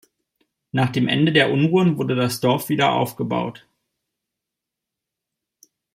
Nach dem Ende der Unruhen wurde das Dorf wiederaufgebaut.